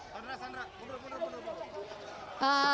sandra sandra mundur mundur mundur